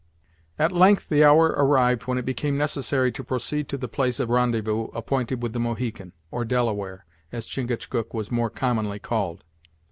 At length the hour arrived when it became necessary to proceed to the place of rendezvous appointed with the Mohican, or Delaware, as Chingachgook was more commonly called.